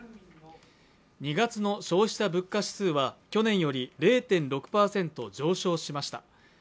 ２月の消費者物価指数は去年より０．６％上昇しました。